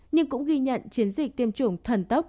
nhưng cũng ghi nhận chiến dịch tiêm chủng thần tốc